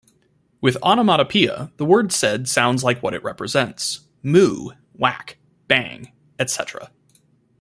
With onomatopoeia the word said sounds like what it represents: Moo, Whack, Bang, etc.